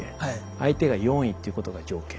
相手が４位っていうことが条件。